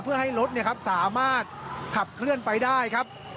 เพื่อให้รถสามารถขับเคลื่อนไปได้ครับ